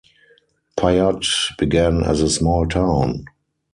Pyote began as a small town.